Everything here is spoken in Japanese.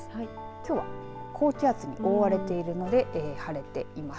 きょうは高気圧に覆われているので晴れています。